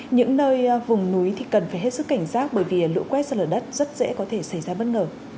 những nơi vùng núi thì cần phải hết sức cảnh giác bởi vì lũ quét ra lở đất rất dễ có thể xảy ra bất ngờ